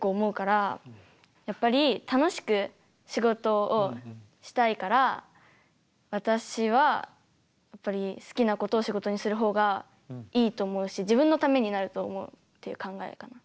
やっぱり楽しく仕事をしたいから私はやっぱり好きなことを仕事にする方がいいと思うし自分のためになると思うという考えかな。